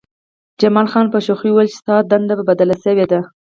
جمال خان په شوخۍ وویل چې ستا دنده بدله شوې ده